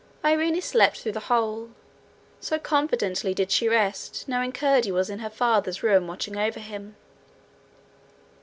Irene slept through the whole so confidently did she rest, knowing Curdie was in her father's room watching over him.